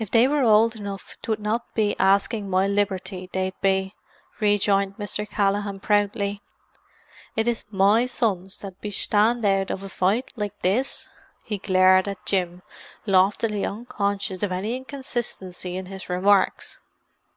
"If they were old enough 'twould not be asking my liberty they'd be," rejoined Mr. Callaghan proudly. "Is it my sons that 'ud shtand out of a fight like this?" He glared at Jim, loftily unconscious of any inconsistency in his remarks.